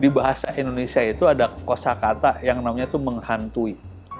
di bahasa indonesia itu ada kosa kata yang namanya itu menghantui